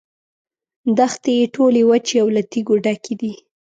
دښتې یې ټولې وچې او له تیږو ډکې دي.